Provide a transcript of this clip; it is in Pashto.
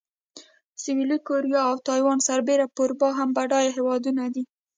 سویلي کوریا او تایوان سربېره په اروپا کې هم بډایه هېوادونه دي.